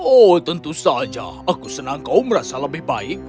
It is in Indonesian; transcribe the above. oh tentu saja aku senang kau merasa lebih baik